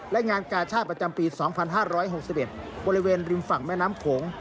และงานกาชาติประจำปี๒๕๖๑บริเวณริมฝั่งแม่น้ำโขง